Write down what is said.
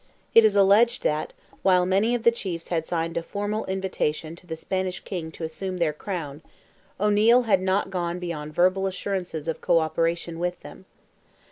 It is alleged that, while many of the chiefs had signed a formal invitation to the Spanish King to assume their crown, O'Neil had not gone beyond verbal assurances of co operation with them.